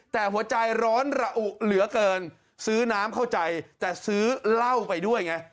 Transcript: แต่หัวใจร้อนระอุเหลือเกินซื้อน้ำเข้าใจแต่ซื้อเหล้าไปด้วยไง